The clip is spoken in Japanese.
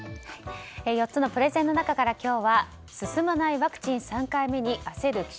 ４つのプレゼンの中から今日は進まないワクチン３回目に焦る